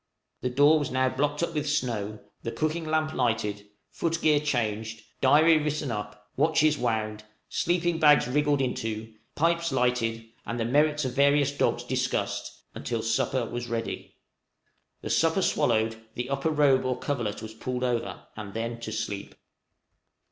The door was now blocked up with snow, the cooking lamp lighted, foot gear changed, diary written up, watches wound, sleeping bags wriggled into, pipes lighted, and the merits of the various dogs discussed, until supper was ready; the supper swallowed, the upper robe or coverlet was pulled over, and then to sleep.